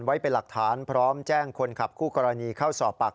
ไว้เป็นหลักฐานพร้อมแจ้งคนขับคู่กรณีเข้าสอบปาก